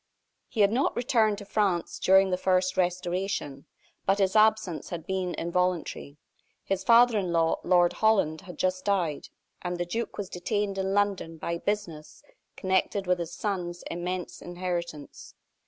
He had not returned to France during the first Restoration; but his absence had been involuntary. His father in law, Lord Holland, had just died, and the duke was detained in London by business connected with his son's immense inheritance.